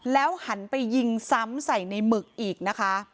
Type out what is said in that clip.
แล้วหันไปยิงซ้ำใส่ในหมึกอีกนะคะ